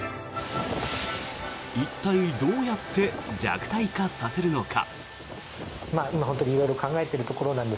一体、どうやって弱体化させるのか。